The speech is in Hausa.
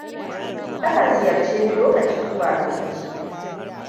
Ta kan ziyarce ni lokaci zuwa lokaci.